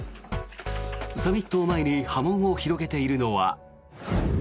サミットを前に波紋を広げているのは。